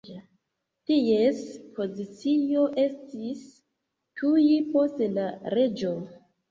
Ties pozicio estis tuj post la reĝo.